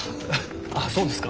あっそうですか。